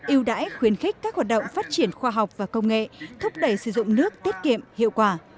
yêu đãi khuyến khích các hoạt động phát triển khoa học và công nghệ thúc đẩy sử dụng nước tiết kiệm hiệu quả